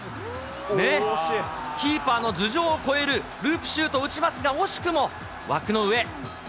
キーパーの頭上を越えるループシュートを打ちますが、惜しくも枠の上。